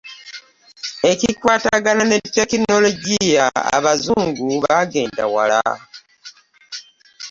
Ekikwatagana ne tekinologiya abazungu bagenda wala.